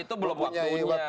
iya itu belum waktunya